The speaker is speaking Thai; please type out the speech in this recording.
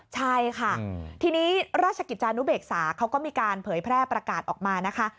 ใช่ค่ะทีนี้ราชกิจจานุเบกษาเขาก็มีการเผยแพร่ประกาศออกมานะคะ